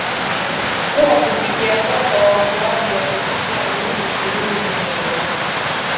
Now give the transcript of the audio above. kuwa kufikia sasa waokoaji wamechukua miili ishirini na moja